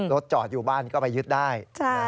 รถจอดอยู่บ้านก็ไปยึดได้